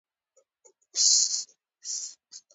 پاڼيڼى د ګرامر تر ټولو بشپړ استاد وو.